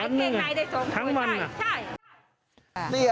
วันหนึ่งทั้งวันเหรอขายเกงในได้๒ตัวใช่ใช่